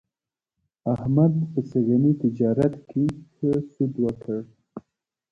احمد په سږني تجارت کې ښه سود وکړ.